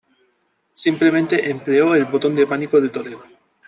Simplemente empleó el "Botón de pánico de Toledo".